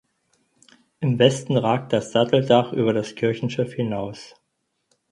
Im Westen ragt das Satteldach über das Kirchenschiff hinaus.